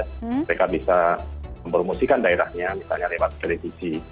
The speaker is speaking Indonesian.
mereka bisa mempromosikan daerahnya misalnya lewat televisi